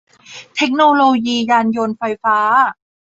เทคโนโลยียานยนต์ไฟฟ้า